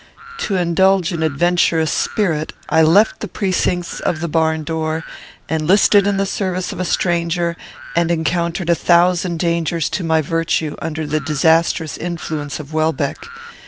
"To indulge an adventurous spirit, I left the precincts of the barn door, enlisted in the service of a stranger, and encountered a thousand dangers to my virtue under the disastrous influence of Welbeck.